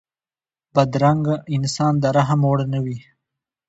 بدرنګه انسان د رحم وړ نه وي